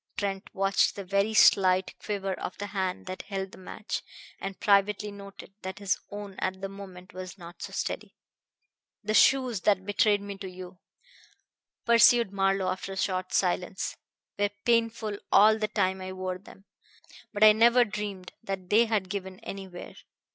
Trent watched the very slight quiver of the hand that held the match, and privately noted that his own at the moment was not so steady. "The shoes that betrayed me to you," pursued Marlowe after a short silence, "were painful all the time I wore them, but I never dreamed that they had given anywhere.